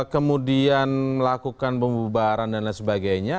kemudian melakukan pembubaran dan lain sebagainya